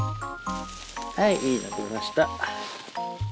はいいいの出ました。